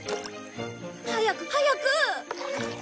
早く早く！